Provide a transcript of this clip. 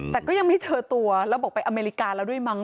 แต่ก็ยังไม่เจอตัวแล้วบอกไปอเมริกาแล้วด้วยมั้